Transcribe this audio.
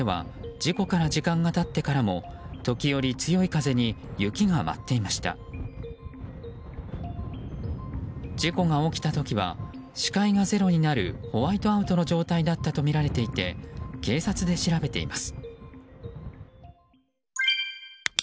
事故が起きた時は視界がゼロになるホワイトアウトの状態だったとみられていて警察で調べています。